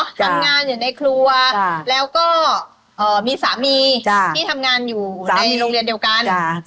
ทำงานอยู่ในครัวแล้วก็มีสามีที่ทำงานอยู่ในโรงเรียนเดียวกัน